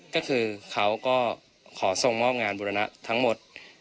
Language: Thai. ก็คือเขาก็ขอส่งมอบงานบุรณะทั้งหมด